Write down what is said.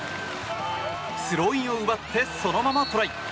スローインを奪ってそのままトライ。